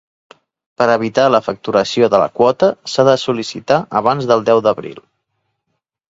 Per evitar la facturació de la quota s'ha de sol·licitar abans del deu d'abril.